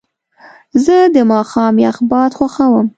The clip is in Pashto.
زه د ماښام یخ باد خوښوم.